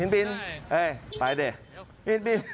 บินไปดิ